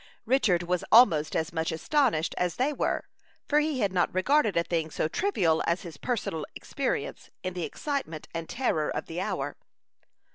Richard was almost as much astonished as they were, for he had not regarded a thing so trivial as his personal experience, in the excitement and terror of the hour.